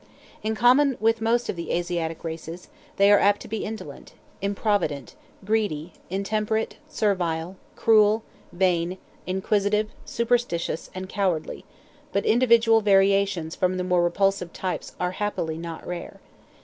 In common with most of the Asiatic races, they are apt to be indolent, improvident, greedy, intemperate, servile, cruel, vain, inquisitive, superstitious, and cowardly; but individual variations from the more repulsive types are happily not rare.